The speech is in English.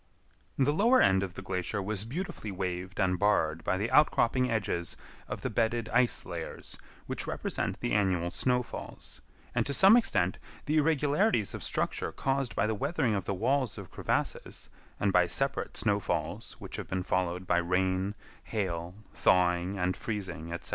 The lower end of the glacier was beautifully waved and barred by the outcropping edges of the bedded ice layers which represent the annual snowfalls, and to some extent the irregularities of structure caused by the weathering of the walls of crevasses, and by separate snowfalls which have been followed by rain, hail, thawing and freezing, etc.